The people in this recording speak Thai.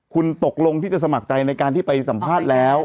คุณตกลงที่จะสมัครใจในการที่ไปสัมภาษณ์แล้ว